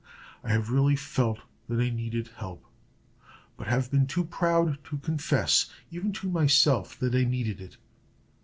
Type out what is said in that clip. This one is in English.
I have really felt that I needed help, but have been too proud to confess, even to myself, that I needed it.